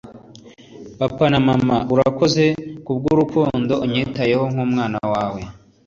mama na papa, urakoze kubwurukundo unyitayeho nkumwana wawe